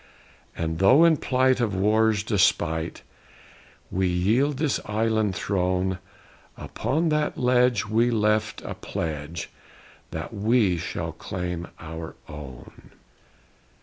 And though in plight of War's despite We yield this island throne, Upon that ledge we left a pledge That we shall claim our own!